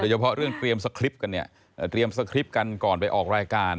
เฉพาะเรื่องเตรียมสคริปต์กันเนี่ยเตรียมสคริปต์กันก่อนไปออกรายการ